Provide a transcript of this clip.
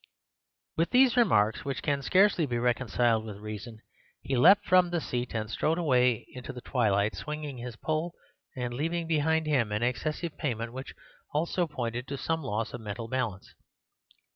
"With these remarks, which can scarcely be reconciled with reason, he leapt from the seat and strode away into the twilight, swinging his pole and leaving behind him an excessive payment, which also pointed to some loss of mental balance.